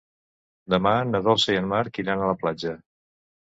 Demà na Dolça i en Marc iran a la platja.